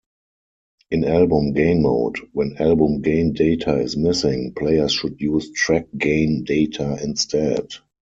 In album-gain mode, when album-gain data is missing, players should use track-gain data instead.